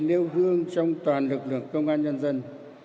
nêu gương trong toàn lực lượng công an nhân dân